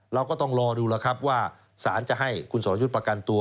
เราก็ต้องรอดูแล้วครับว่าสารจะให้คุณสรยุทธ์ประกันตัว